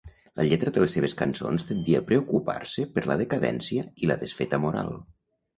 La lletra de les seves cançons tendia a preocupar-se per la decadència i la desfeta moral.